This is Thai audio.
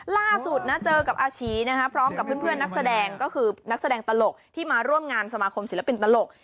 ล่าสุดนะเจอกับอาชีพร้อมกับเพื่อนนักแสดงก็คือนักแสดงตลกที่มาร่วมงานสมาคมศิลปินตลก